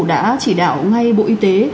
đã chỉ đạo ngay bộ y tế